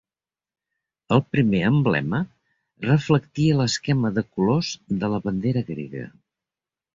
El primer emblema reflectia l'esquema de colors de la bandera grega.